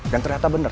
dan ternyata bener